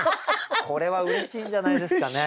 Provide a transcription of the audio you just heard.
これはうれしいんじゃないですかね。